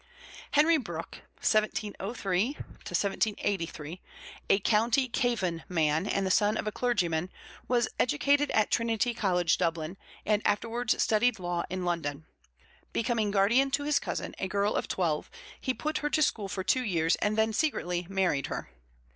Henry Brooke (1703? 1783), a county Cavan man and the son of a clergyman, was educated at Trinity College, Dublin, and afterwards studied law in London. Becoming guardian to his cousin, a girl of twelve, he put her to school for two years and then secretly married her.